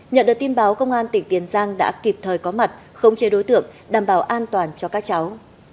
nhận được tin báo công an tỉnh tiền giang đã kịp thời có mặt khống chế đối tượng đảm bảo an toàn cho các cháu